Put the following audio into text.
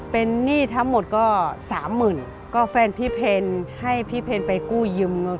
เป็นหนี้ทั้งหมดก็สามหมื่นก็แฟนพี่เพลให้พี่เพลไปกู้ยืมเงิน